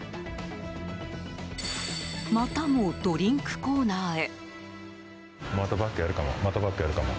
またもドリンクコーナーへ。